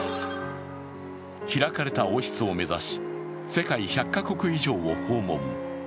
開かれた王室を目指し、世界１００か国以上を訪問。